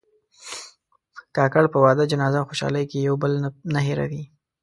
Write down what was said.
کاکړ په واده، جنازه او خوشحالۍ کې یو بل نه هېروي.